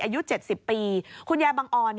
อายุ๗๐ปีคุณยายบังออน